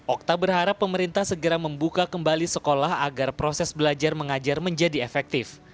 okta berharap pemerintah segera membuka kembali sekolah agar proses belajar mengajar menjadi efektif